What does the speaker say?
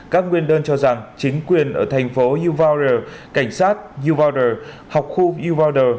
các nguyên đơn cho rằng chính quyền ở thành phố uvalder cảnh sát uvalder học khu uvalder